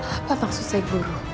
apa maksudnya seguroh